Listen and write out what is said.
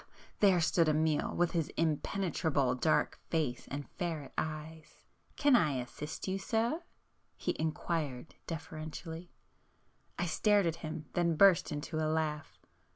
—there stood Amiel, with his impenetrable dark face and ferret eyes! "Can I assist you sir?" he inquired deferentially. I stared at him,—then burst into a laugh.